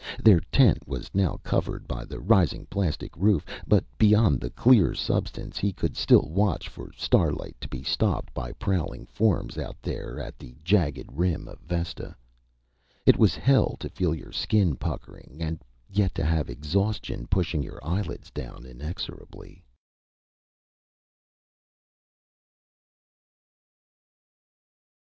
Their tent was now covered by the rising plastic roof but beyond the clear substance, he could still watch for starlight to be stopped by prowling forms, out there at the jagged rim of Vesta. It was hell to feel your skin puckering, and yet to have exhaustion pushing your eyelids down inexorably....